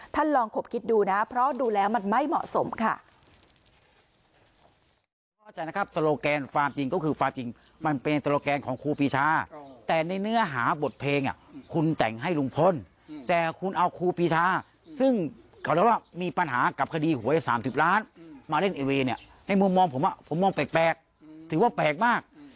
ลองขบคิดดูนะเพราะดูแล้วมันไม่เหมาะสมค่ะ